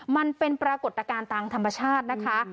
มันเป็นปรากฏการณ์ตามธรรมชาตินะคะ